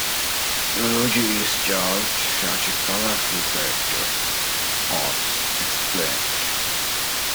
"Rosie is just such a colourful character," Oates explained.